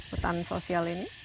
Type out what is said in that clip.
hutan sosial ini